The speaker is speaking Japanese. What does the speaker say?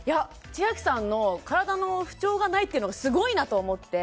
千秋さんの体の不調がないというのがすごいなと思って。